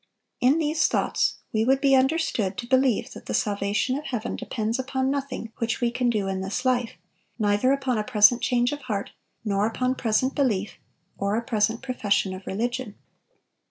"In these thoughts we would be understood to believe that the salvation of heaven depends upon nothing which we can do in this life; neither upon a present change of heart, nor upon present belief, or a present profession of religion."